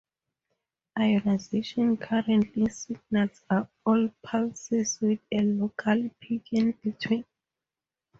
Ionization current signals are all pulses with a local peak in between.